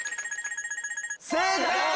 正解！